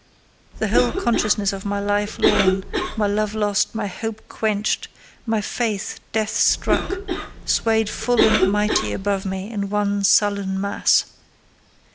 The whole consciousness of my life lorn, my love lost, my hope quenched, my faith death struck, swayed full and mighty above me in one sullen mass.